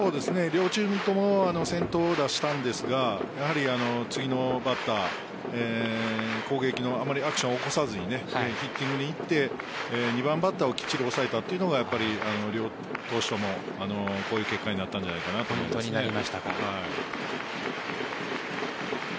両チームとも先頭を出したんですがやはり次のバッター、攻撃のアクションを起こさずにヒッティングにいって２番バッターをきっちり抑えたのが両投手ともこういう結果になったんじゃないかなと思います。